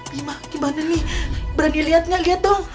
bima gimana nih berani lihatnya lihat dong